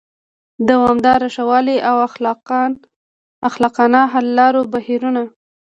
د دوامداره ښه والي او خلاقانه حل لارو بهیرونه